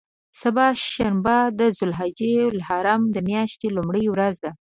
سبا شنبه د ذوالحجة الحرام میاشتې لومړۍ ورځ ده.